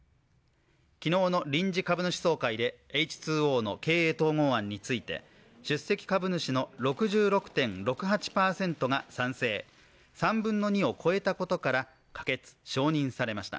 昨日の臨時株主総会でエイチ・ツー・オーの経営統合案について、出席株主の６６．６８％が賛成３分の２を超えたことから可決・承認されました。